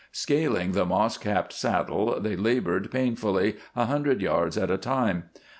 Scaling the moss capped saddle, they labored painfully, a hundred yards at a time.